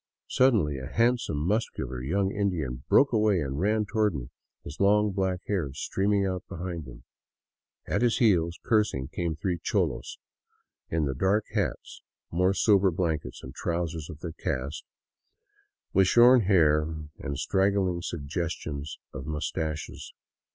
Suddenly a handsome, muscular young Indian broke away and ran toward me, his long, black hair streaming out behind him. At his heels, cursing, came three cholos, in the dark hats, more sober blankets and trousers of their caste, with shorn hair and straggling suggestions of mustaches.